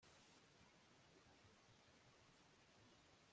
hatariho urufunguzo, ntabwo yashoboraga kwinjira mucyumba